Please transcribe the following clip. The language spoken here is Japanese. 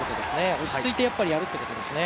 落ち着いて、やっぱりやるということですね。